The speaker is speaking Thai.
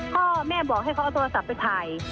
พ่อแม่บอกให้เขาเอาโทรศัพท์ไปถ่าย